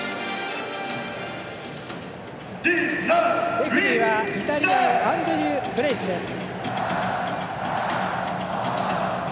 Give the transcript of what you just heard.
レフリーはイタリアのアンドリュー・ブレイスです。